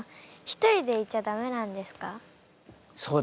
ひとりでいちゃダメなんですか？